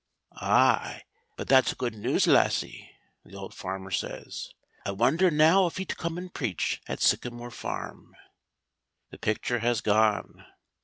"Ay, but that's good news, lassie!" the old farmer says. "I wonder now if he'd come and preach at Sycamore Farm." The picture has gone.